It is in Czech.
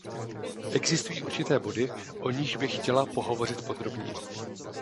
Existují určité body, o nichž bych chtěla pohovořit podrobněji.